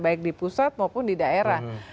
baik di pusat maupun di daerah